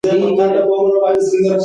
د راتلونکي لپاره ښه اثار پرېږدئ.